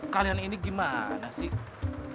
kalian ini gimana sih